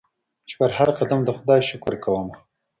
چي پر هرقدم د خدای شکر کومه